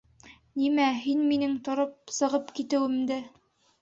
Нимә, һин минең тороп сығып китеүемде?..